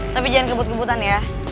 tapi jangan kebut kebutan ya